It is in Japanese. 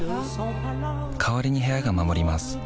代わりに部屋が守ります